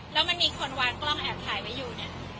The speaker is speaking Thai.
แล้วมันมีคนวางกล้องแอบถ่ายไว้อยู่เนี่ย